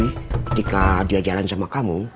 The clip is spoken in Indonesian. ketika dia jalan sama kamu